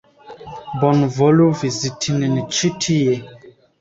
Bonvolu viziti nin ĉi tie!